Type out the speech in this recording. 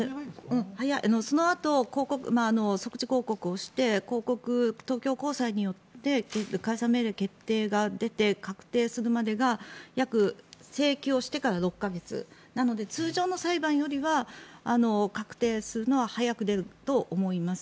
そのあと即時抗告をして公告、東京高裁によって解散命令決定が出て確定するまでが請求をしてから約６か月なので通常の裁判よりは確定するのは早く出ると思います。